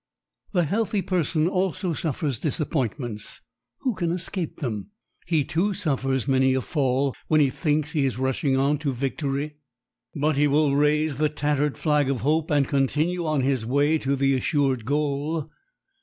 The healthy person also suffers disappointments who can escape them? he too suffers many a fall when he thinks he is rushing on to victory, but he will raise the tattered flag of hope and continue on his way to the assured goal.